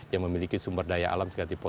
yang memiliki sumber daya alam sekalipun